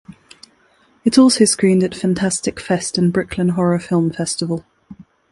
It also screened at Fantastic Fest and Brooklyn Horror Film Festival.